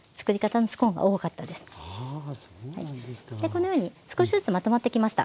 このように少しずつまとまってきました。